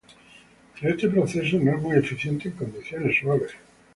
Pero este proceso no es muy eficiente en condiciones suaves.